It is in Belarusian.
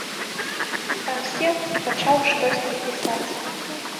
А сам сеў і пачаў штосьці пісаць.